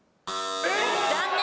残念。